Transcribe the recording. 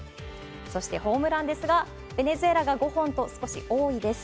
そしてホームランですが、ベネズエラが５本と、少し多いです。